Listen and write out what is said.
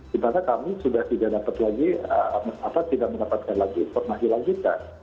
dimana kami sudah tidak mendapatkan lagi informasi lagi pak